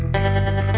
saya berada di jepang